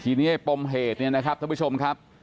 ทีนี้ปรมเหตุท่านผู้ชมครับ